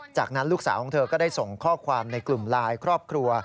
จากนั้นลูกสาวของเธอก็ได้ส่งข้อความในกลุ่มไลน์ครอบครัว